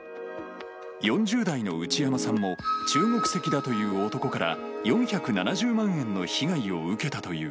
４０代の内山さんも、中国籍だという男から４７０万円の被害を受けたという。